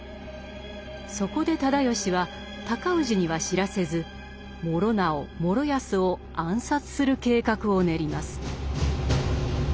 そこで直義は尊氏には知らせず師直・師泰を暗殺する計画を練ります。